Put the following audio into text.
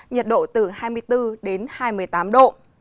nhiệt độ từ hai mươi bốn đến hai mươi tám độ